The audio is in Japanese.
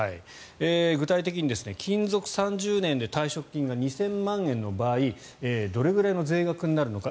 具体的に勤続３０年で退職金が２０００万円の場合どれぐらいの税額になるのか。